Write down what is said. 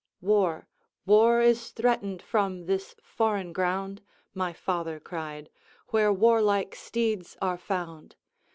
"War, war is threatened from this foreign ground (My father cried), where warlike steeds are found.